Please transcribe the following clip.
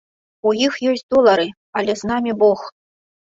У іх ёсць долары, але з намі бог.